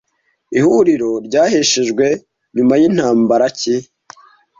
ihuriro ryasheshwe nyuma yintambara ki